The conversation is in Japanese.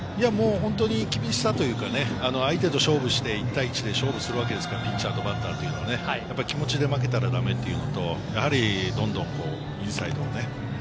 厳しさというか、相手と勝負して１対１で勝負するわけですから、ピッチャーとバッターというのは気持ちで負けたら駄目というのと、どんどんインサイドを。